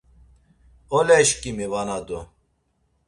“Oleşǩimi vana do!”